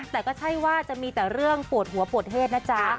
แต่ก็ใช่ว่าจะมีแต่เรื่องปวดหัวปวดเทศนะจ๊ะ